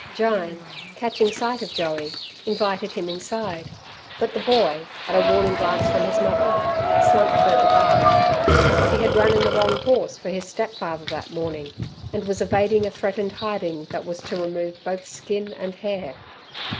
Jyne, catching sight of Joey, invited him inside. But the boy, at a warning glance from his mother, slunk further back. He had run in the wrong horse for his step father that morning, and was evading a threatened hiding that was to remove both skin and hair.